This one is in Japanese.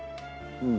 うん。